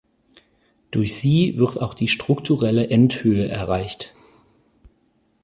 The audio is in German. Durch sie wird auch die strukturelle Endhöhe erreicht.